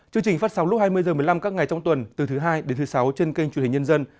chương trình phát sóng lúc hai mươi h một mươi năm các ngày trong tuần từ thứ hai đến thứ sáu trên kênh truyền hình nhân dân